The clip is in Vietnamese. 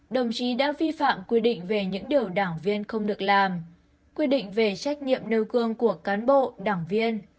đồng chí đã vi phạm quy định về những điều đảng viên không được làm quy định về trách nhiệm nêu gương của cán bộ đảng viên